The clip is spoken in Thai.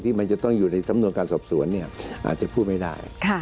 มันจะต้องอยู่ในสำนวนการสอบสวนอาจจะพูดไม่ได้